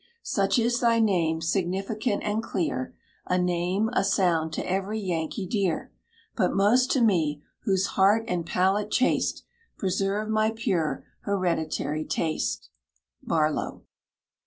Such is thy name, significant and clear, A name, a sound, to every Yankee dear; But most to me, whose heart and palate chaste Preserve my pure, hereditary taste. BARLOW.